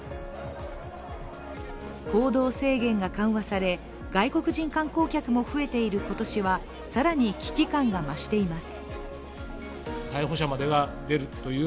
行動制限が緩和され、外国人観光客も増えている今年は更に危機感が増しています。